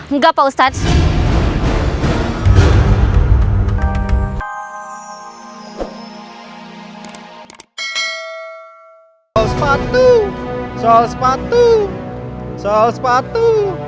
enggak pak ustadz soal sepatu soal sepatu soal sepatu